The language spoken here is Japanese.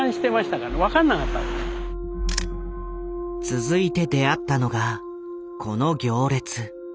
続いて出会ったのがこの行列。